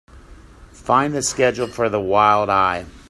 Find the schedule for The Wild Eye.